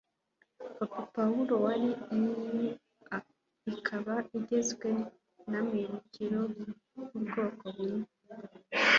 papa pawulo wa ii, ikaba igizwe n'amibukiro y'ubwoko bune